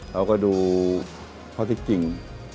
เราก็ดูข้อที่จริง